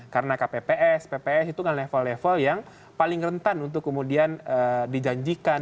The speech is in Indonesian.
karena kpps pps itu kan level level yang paling rentan untuk kemudian dijanjikan